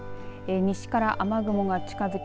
西から雨雲が近づき